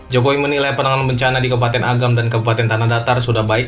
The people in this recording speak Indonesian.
jokowi menilai penanganan bencana di kabupaten agam dan kabupaten tanah datar sudah baik